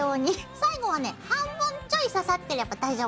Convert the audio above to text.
最後はね半分ちょい刺さってれば大丈夫。